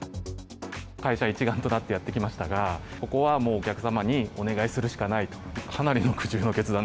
会社一丸となってやってきましたが、ここはもうお客様にお願いするしかないと。